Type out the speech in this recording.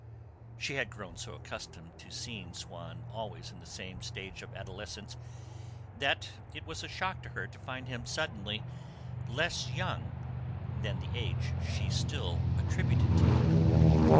She had grown so accustomed to seeing Swann always in the same stage of adolescence that it was a shock to her to find him suddenly less young than the age she still attributed to him.